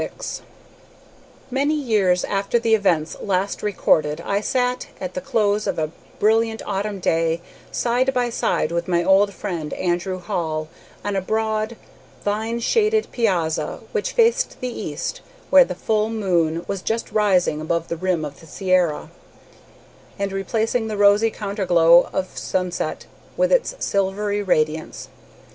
SYX Many years after the events last recorded I sat, at the close of a brilliant autumn day, side by side with my old friend Andrew Hall, on a broad, vine shaded piazza which faced the east, where the full moon was just rising above the rim of the Sierra, and replacing the rosy counter glow of sunset with its silvery radiance.